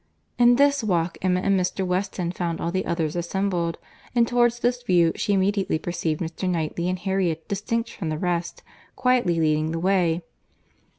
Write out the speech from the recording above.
In this walk Emma and Mr. Weston found all the others assembled; and towards this view she immediately perceived Mr. Knightley and Harriet distinct from the rest, quietly leading the way.